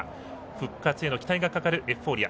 復活への期待がかかるエフフォーリア。